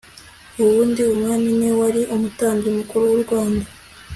ubundi umwami niwe wari umutambyi mukuru w'u rwanda